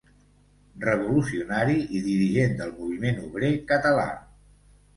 Revolucionari i dirigent del moviment obrer català.